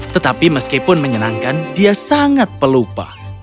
tetapi meskipun menyenangkan dia sangat pelupa